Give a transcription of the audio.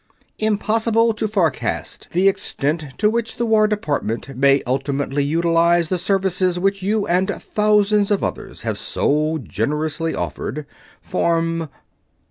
Impossible to forecast the extent to which the War Department may ultimately utilize the services which you and thousands of others have so generously offered ... Form